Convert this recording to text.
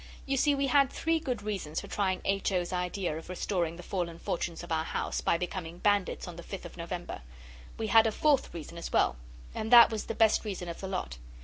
You see we had three good reasons for trying H. O.'s idea of restoring the fallen fortunes of our house by becoming bandits on the Fifth of November. We had a fourth reason as well, and that was the best reason of the lot.